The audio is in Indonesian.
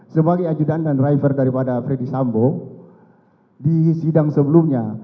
sebagai ajudan dan driver daripada freddy sambo di sidang sebelumnya